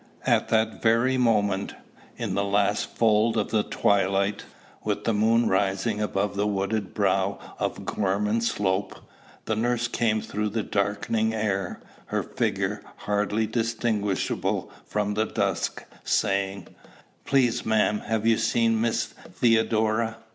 At that very moment in the last fold of the twilight, with the moon rising above the wooded brow of Gorman Slope the nurse came through the darkening air, her figure hardly distinguishable from the dusk, saying, "Please, ma'am, have you seen Miss Theodora?"